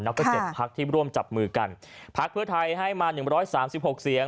แล้วก็เจ็ดพักที่ร่วมจับมือกันพักเพื่อไทยให้มาหนึ่งร้อยสามสิบหกเสียง